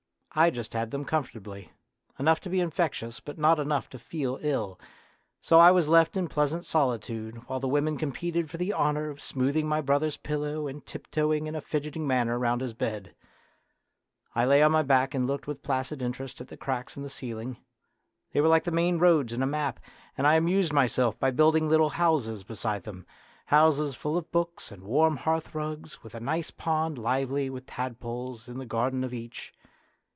I just had them comfortably ; enough to be infectious, but not enough to feel ill, so I was left in pleasant solitude while the women competed for the honour of smoothing my brothers' pillow and tiptoeing in a fidgeting manner round his bed. I lay on my back and looked 32 A DKAMA OF YOUTH with placid interest at the cracks in the ceil ing. They were like the main roads in a map, and I amused myself by building little houses beside them houses full of books and warm hearthrugs, and with a nice pond lively with tadpoles in the garden of each.